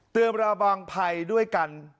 เติมระวังภัยด้วยกัน